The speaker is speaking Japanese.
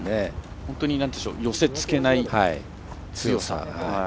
本当に寄せつけない。